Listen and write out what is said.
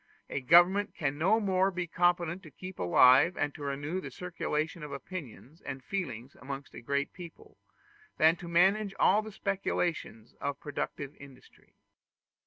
A government can no more be competent to keep alive and to renew the circulation of opinions and feelings amongst a great people, than to manage all the speculations of productive industry.